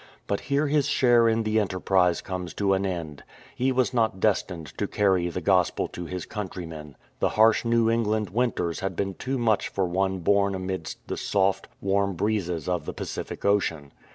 But here his share in the enterprise comes to an end. He was not destined to carry the Gospel to his countrymen. The harsh New England winters had been too much for one 33^ TITUS COAN born amidst the soft, warm breezes of the Pacific Ocean.